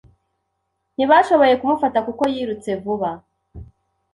Ntibashoboye kumufata kuko yirutse vuba.